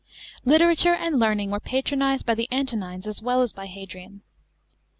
Literature and learning were patronised by the Antonines as well as by Hadrian.